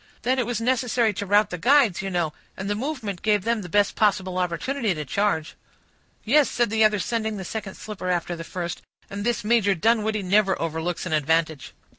"Then it was necessary to rout the guides, you know, and the movement gave them the best possible opportunity to charge." "Yes," said the other, sending the second slipper after the first, "and this Major Dunwoodie never overlooks an advantage."